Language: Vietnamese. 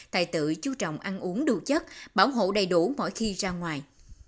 tài tự chú trọng ăn uống đủ chất bảo hộ đầy đủ mỗi khi ra ngoài